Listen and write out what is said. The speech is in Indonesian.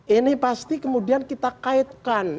ini pasti kemudian kita kaitkan